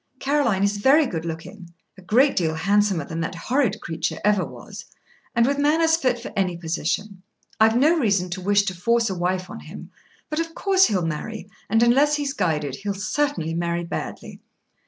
Caroline is very good looking, a great deal handsomer than that horrid creature ever was, and with manners fit for any position. I've no reason to wish to force a wife on him; but of course he'll marry, and unless he's guided, he'll certainly marry badly."